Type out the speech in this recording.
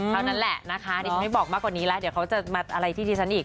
เท่านั้นแหละนะคะดิฉันไม่บอกมากกว่านี้แล้วเดี๋ยวเขาจะมาอะไรที่ที่ฉันอีก